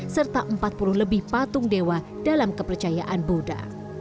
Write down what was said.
serta empat puluh lebih patung dewa dalam kepercayaan buddha